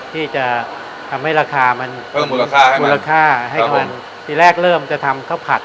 ที่จะทำให้ราคามันเอาอูอาแค่ให้มันอูอาแค่ให้มันครับผมทีแรกเริ่มจะทำข้าวผัด